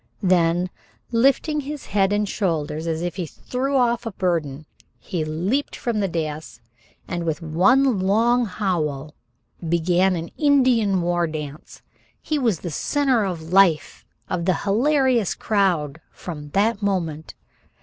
Then lifting his head and shoulders as if he threw off a burden, he leaped from the dais, and with one long howl, began an Indian war dance. He was the center and life of the hilarious crowd from that moment.